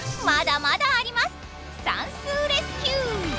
まだまだあります！